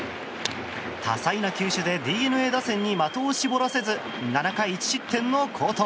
多彩な球種でＤｅＮＡ打線に的を絞らせず７回１失点の好投。